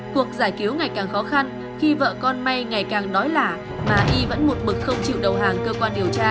cuộc giải cứu ngày càng khó khăn khi vợ con may ngày càng đói lả mà y vẫn một bực không chịu đầu hàng cơ quan điều tra